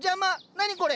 何これ？